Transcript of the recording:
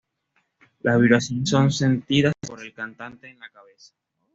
Las vibraciones son sentidas por el cantante "en la cabeza".